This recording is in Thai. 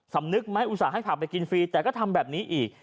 สำนึกไหมอุตส่าห์ผักไปกินฟรีแต่ก็ทำแบบนี้อีก